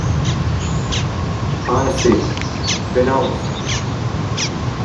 peñse, penaos